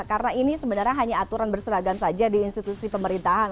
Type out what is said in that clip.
karena ini sebenarnya hanya aturan berseragam saja di institusi pemerintahan